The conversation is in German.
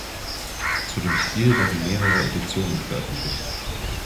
Zu dem Spiel wurden mehrere Editionen veröffentlicht.